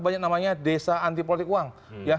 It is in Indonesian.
banyak namanya desa anti politik uang